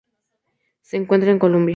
Se encuentra en Columbia.